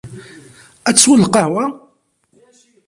Ad tesweḍ lqahwa?